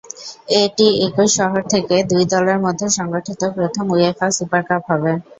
এটি একই শহর থেকে দুই দলের মধ্যে সংগঠিত প্রথম উয়েফা সুপার কাপ হবে।